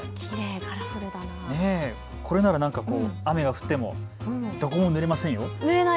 これなら雨が降ってもどこもぬれませんよ。